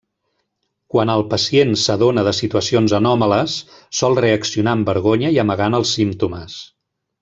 Quan el pacient s'adona de situacions anòmales sol reaccionar amb vergonya i amagant els símptomes.